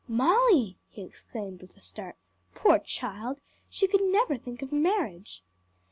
"Molly!" he exclaimed with a start. "Poor child! she could never think of marriage!"